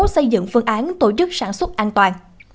xây dựng phương án tổ chức sản xuất an toàn